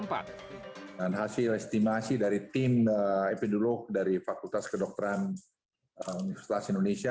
dan hasil estimasi dari tim epiduluk dari fakultas kedokteran universitas indonesia